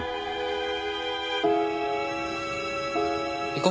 行こ。